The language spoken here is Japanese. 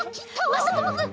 まさともくん！